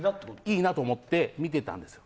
いいなと思って見てたんです。